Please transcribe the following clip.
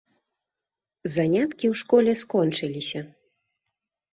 Заняткі ў школе скончыліся.